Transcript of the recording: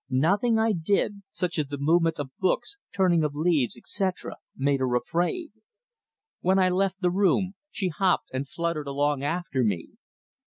Nothing I did, such as the movement of books, turning of leaves, etc., made her afraid. When I left the room she hopped and fluttered along after me.